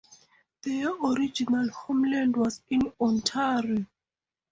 Their original homeland was in Ontario.